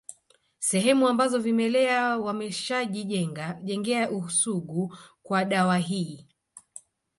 Sehemu ambazo vimelea wameshajijengea usugu kwa dawa hii